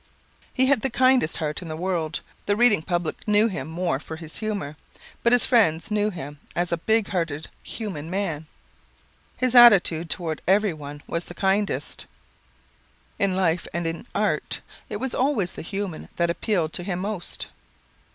He had the kindest heart in the world. The reading public knew him more for his humor. But his friends knew him as a big hearted, human man. His attitude toward everyone was the kindest. In live and in art it was always the human that appealed to him most.